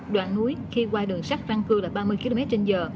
đoạn núi khi qua đường sắt răng cư là ba mươi km trên giờ